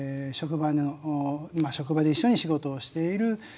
まあ職場で一緒に仕事をしている